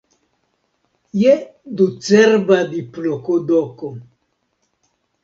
Je ducerba diplodoko!